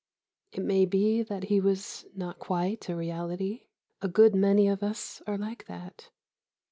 It may be that he was not quite a reality ... a good many of us are like that....